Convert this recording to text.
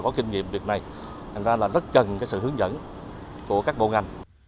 có kinh nghiệm việc này thành ra là rất cần sự hướng dẫn của các bộ ngành